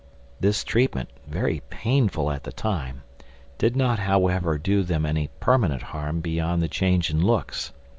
This treatment, very painful at the time, did not however do them any permanent harm beyond the change in looks.